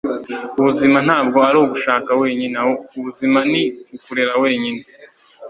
Ubuzima ntabwo ari ugushaka wenyine. Ubuzima ni ukurema wenyine. ”